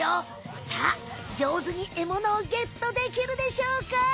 さあじょうずにエモノをゲットできるでしょうか？